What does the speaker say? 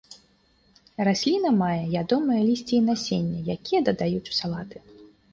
Расліна мае ядомае лісце і насенне, якія дадаюць у салаты.